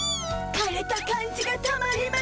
かれた感じがたまりましぇん。